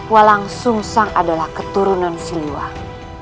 walang sung sang adalah keturunan si luang